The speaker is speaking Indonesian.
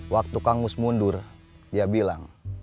waktu kang gus mundur dia bilang